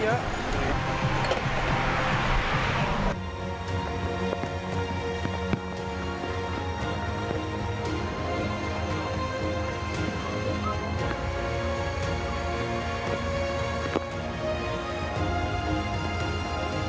ก็ยังมีปัญหาราคาเข้าเปลือกก็ยังลดต่ำลง